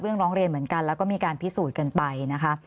ร้องเรียนเหมือนกันแล้วก็มีการพิสูจน์กันไปนะคะ